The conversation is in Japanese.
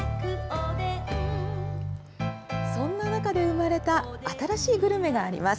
そんな中で生まれた新しいグルメがあります。